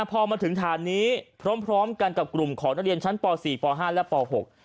พอมาถึงฐานนี้พร้อมกันกับกลุ่มของตั้งเรียนชั้นปอล์สี่ปอล์ห้าและปอล์หก